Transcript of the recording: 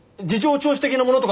聴取的なものとか。